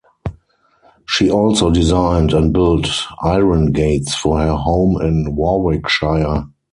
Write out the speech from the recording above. She also designed and built iron gates for her home in Warwickshire.